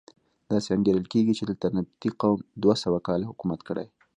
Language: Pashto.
داسې انګېرل کېږي چې دلته نبطي قوم دوه سوه کاله حکومت کړی.